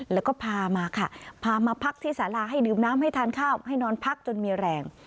แล้วก็พามาค่ะพามาพักที่สาราให้ดื่มน้ำให้ทานข้าวให้นอนพักจนมีแรง